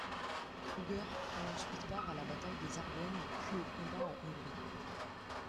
Krüger prend ensuite part à la bataille des Ardennes, puis aux combats en Hongrie.